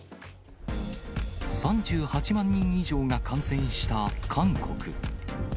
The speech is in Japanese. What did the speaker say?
３８万人以上が感染した韓国。